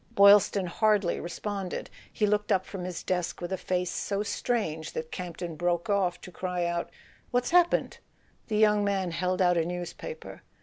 Boylston hardly responded: he looked up from his desk with a face so strange that Campton broke off to cry out: "What's happened?' The young man held out a newspaper.